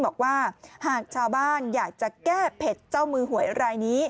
บอกว่าหากชาวบ้านอยากจะแก้เผ็ดเจ้ามือหวยรายนี้